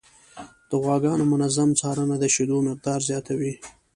د غواګانو منظم څارنه د شیدو مقدار زیاتوي.